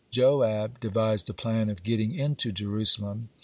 Joab devised a plan of getting into Jerusalem.